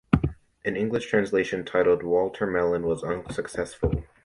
An English translation titled "Walter Melon" was unsuccessful.